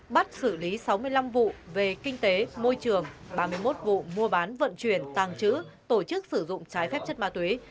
bắt xử lý sáu mươi năm vụ về kinh tế môi trường ba mươi một vụ mua bán vận chuyển tàng trữ tổ chức sử dụng trái phép chất ma túy